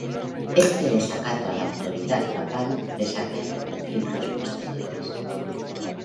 Este desacato a la autoridad papal presagiaba conflictos posteriores.